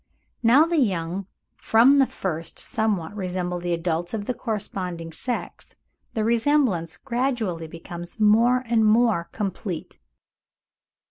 Now the young from the first somewhat resemble the adults of the corresponding sex, the resemblance gradually becoming more and more complete.